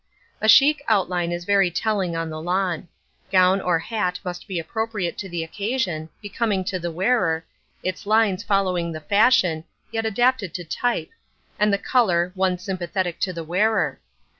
A chic outline is very telling on the lawn; gown or hat must be appropriate to the occasion, becoming to the wearer, its lines following the fashion, yet adapted to type, and the colour, one sympathetic to the wearer.